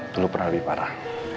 belum pernah lebih parah